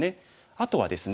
あとはですね